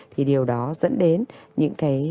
thì điều đó dẫn đến những cái